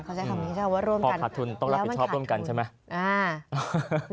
พอขาดทุนต้องรับผิดชอบร่วมกันใช่ไหม